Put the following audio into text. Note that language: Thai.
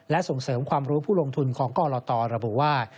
และส่งเสริมความรู้ผู้ลงทุนของกรตระบุว่า